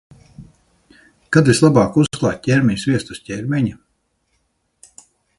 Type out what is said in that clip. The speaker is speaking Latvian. Kad vislabāk uzklāt ķermeņa sviestu uz ķermeņa?